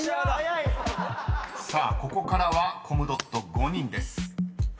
［さあここからはコムドット５人です］